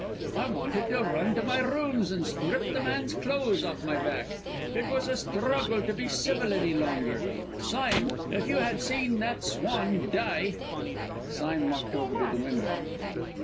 I wanted to run to my rooms and strip the man's clothes off my back! It was a struggle to be civil any longer. Sime, if you had seen that swan die " Sime walked over to the window.